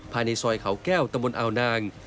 ภายในซอยเขาแก้วตะบนอาวนาง